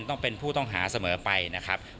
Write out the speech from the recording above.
จริงนะครับพนักงานสอบสวนมีอำนาจ